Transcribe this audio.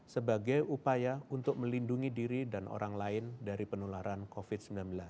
sebagai upaya untuk melindungi diri dan orang lain dari penularan covid sembilan belas